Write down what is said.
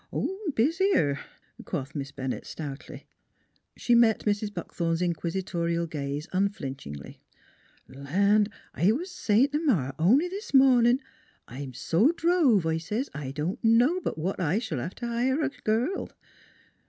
" Busier," quoth Miss Bennett stoutly. She met Mrs. Buckthorn's inquisitorial gaze un flinchingly: " Land! I was sayin' t' Ma only this mornin', ' I'm so drove,' I says, ' I don't know but what I sh'll hev t' hire a girl.'